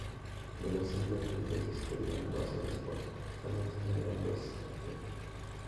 De los cinco religiosos que pedían los obispos, solo respondieron dos, fr.